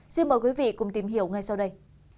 xin mời quý vị cùng tìm hiểu ngay sau đây